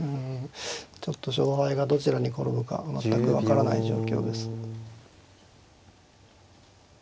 ちょっと勝敗がどちらに転ぶか全く分からない状況です。